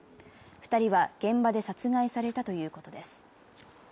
２人は現場で殺害されたということです。